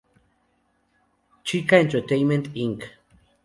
Chika Entertainment Inc.